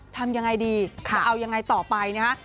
ทำยังไงดีจะเอายังไงต่อไปนะฮะ